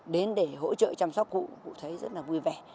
đến để hỗ trợ chăm sóc cụ thấy rất là vui vẻ